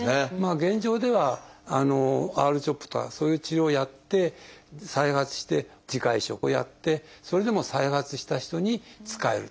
現状ではＲ−ＣＨＯＰとかそういう治療をやって再発して自家移植をやってそれでも再発した人に使えると。